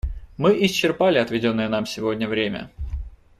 Мы исчерпали отведенное нам сегодня время.